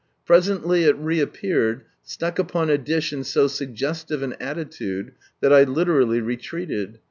Presently it reappeared, stuck upon a dish in so suggestive an attitude that I literally retreated.